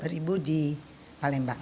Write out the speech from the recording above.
dua ribu di palembang